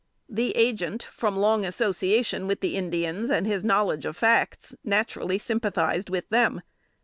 The Agent, from long association with the Indians and his knowledge of facts, naturally sympathised with them.